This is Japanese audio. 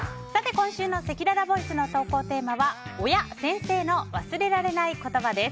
今週のせきららボイスの投稿テーマは親・先生の忘れられない言葉です。